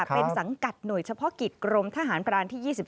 เป็นสังกัดหน่วยเฉพาะกิจกรมทหารพรานที่๒๓